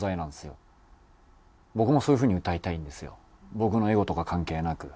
僕のエゴとか関係なく。